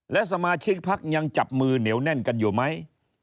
และสมาชิกพักยังจับมือเหนียวแน่นกันอยู่ไหม